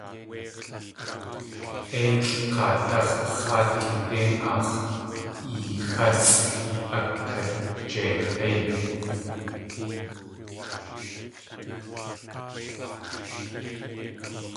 Éilʼ kaadáx̲ x̲áat kʼidéin aax̲ yixásʼ a kajeig̲í!